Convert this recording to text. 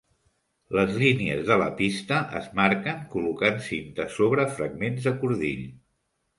Les línies de la pista es marquen col·locant cinta sobre fragments de cordill.